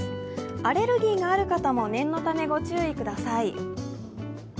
アレルギーがある方も念のためご注意ください。